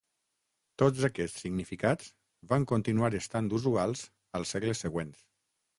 Tots aquests significats van continuar estant usuals als segles següents.